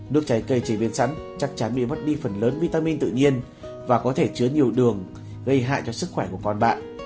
nước trái cây chế biến sẵn chắc chắn mất đi phần lớn vitamin tự nhiên và có thể chứa nhiều đường gây hại cho sức khỏe của con bạn